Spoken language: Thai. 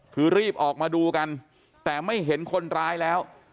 คือรีบออกมาดูกันแต่ไม่เห็นคนร้ายแล้ว